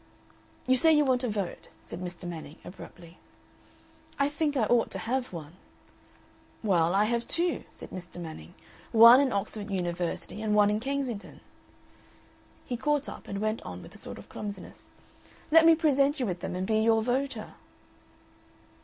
"You say you want a vote," said Mr. Manning, abruptly. "I think I ought to have one." "Well, I have two," said Mr. Manning "one in Oxford University and one in Kensington." He caught up and went on with a sort of clumsiness: "Let me present you with them and be your voter."